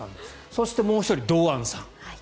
そして、もう１人、堂安さん。